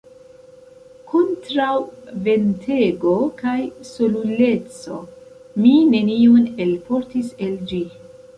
Kontraŭ ventego kaj soluleco mi nenion elportis el ĝi.